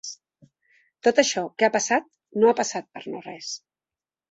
Tot això que ha passat no ha passat per no res.